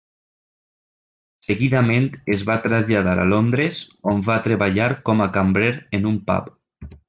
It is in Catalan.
Seguidament es va traslladar a Londres, on va treballar com a cambrer en un pub.